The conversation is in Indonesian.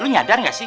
lu nyadar gak sih